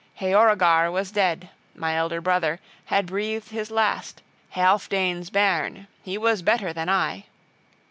Heorogar was dead, my elder brother, had breathed his last, Healfdene's bairn: he was better than I!